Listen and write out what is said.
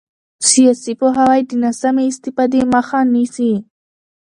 سیاسي پوهاوی د ناسمې استفادې مخه نیسي